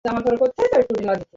এগুলো তোমার সম্পত্তি নয়।